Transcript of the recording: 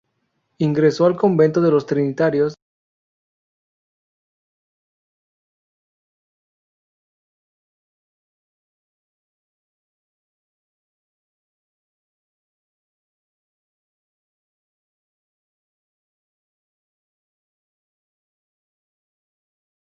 Era la más joven de todos los concursantes.